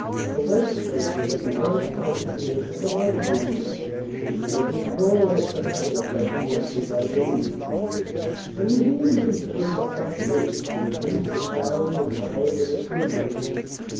The legislature had begun its session in an economical mood, as is more or less the habit of legislatures, I believe, and was even considering a proposition to reduce the salary and mileage of its members.